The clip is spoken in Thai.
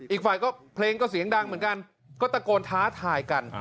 อีกฝ่ายก็เพลงก็เสียงดังเหมือนกันก็ตะโกนท้าทายกัน